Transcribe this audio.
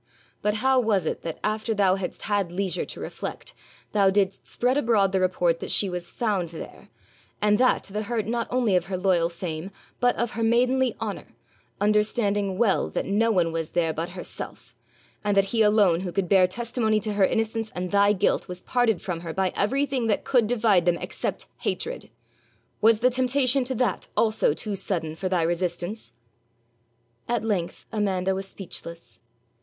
But how was it that, after thou hadst had leisure to reflect, thou didst spread abroad the report that she was found there, and that to the hurt not only of her loyal fame, but of her maidenly honour, understanding well that no one was there but herself, and that he alone who could bear testimony to her innocence and thy guilt was parted from her by everything that could divide them except hatred? Was the temptation to that also too sudden for thy resistance?' At length Amanda was speechless.